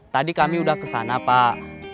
tadi kami udah ke sana pak